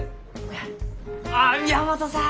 ああ宮本さん